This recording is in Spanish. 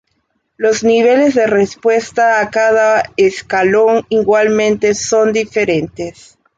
Los niveles de respuesta a cada escalón igualmente son diferentes.